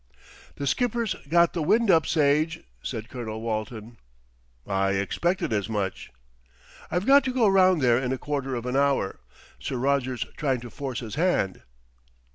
"The Skipper's got the wind up, Sage," said Colonel Walton. "I expected as much." "I've got to go round there in a quarter of an hour. Sir Roger's trying to force his hand."